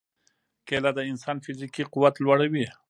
کېله د انسان فزیکي قوت لوړوي.